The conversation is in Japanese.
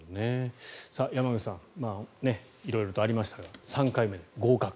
山口さん色々とありましたが３回目の合格。